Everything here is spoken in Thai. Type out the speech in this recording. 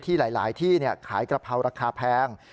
หลายที่ขายกระเพราราคาแพง